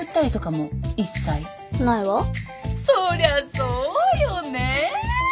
そりゃそうよねえ！